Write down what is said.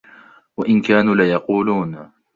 وإن كانوا ليقولون